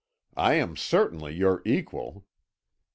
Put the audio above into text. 'I am certainly your equal.'